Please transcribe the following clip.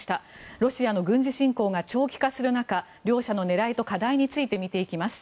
ロシアの軍事侵攻が長期化する中両者の狙いと課題について見ていきます。